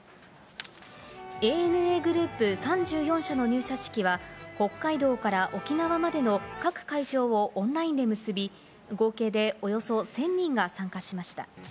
ＡＮＡグループ３４社の入社式は、北海道から沖縄までの各会場をオンラインで結び、合計でおよそ１０００人が参加しました。